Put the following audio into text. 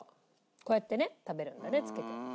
こうやってね食べるんだねつけて。